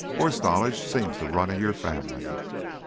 Horse knowledge seems to run in your family.